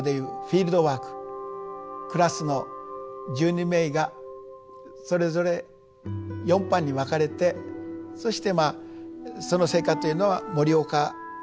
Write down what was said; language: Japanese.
クラスの１２名がそれぞれ４班に分かれてそしてまあその成果というのは盛岡付近の地質図ということで。